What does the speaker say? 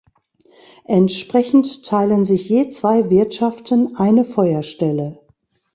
Entsprechend teilen sich je zwei Wirtschaften eine Feuerstelle.